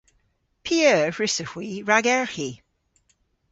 P'eur hwrussowgh hwi ragerghi?